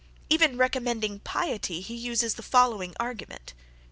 Even recommending piety he uses the following argument.